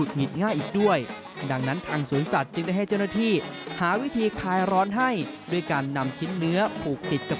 แต่ที่จังหวัดราชบุรีอันนี้ไม่ต้องบังคับเลยนะครับ